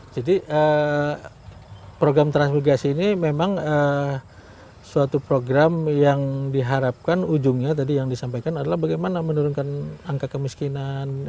jadi program transmigrasi ini memang suatu program yang diharapkan ujungnya tadi yang disampaikan adalah bagaimana menurunkan angka kemiskinan